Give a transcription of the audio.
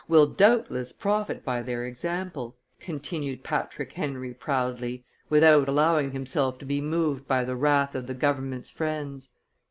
"will doubtless profit by their example," continued Patrick Henry proudly, without allowing himself to be moved by the wrath of the government's friends.